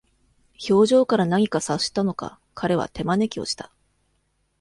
表情から何か察したのか、彼は手招きをした。